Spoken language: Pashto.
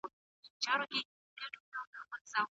موږ به سوله ټینګه کړې وي.